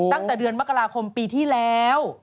ตั้งแต่เดือนมกราคมปีที่แล้ว